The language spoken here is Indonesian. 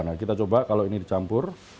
nah kita coba kalau ini dicampur